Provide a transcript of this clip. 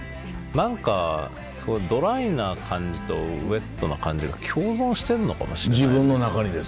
何かすごいドライな感じとウエットな感じが共存してんのかもしれないです。